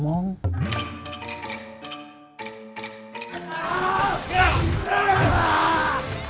maaf kang kan dari tadi akang yang banyak ngomong